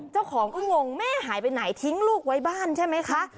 เจ้าของก็งงแม่หายไปไหนทิ้งลูกไว้บ้านใช่ไหมคะ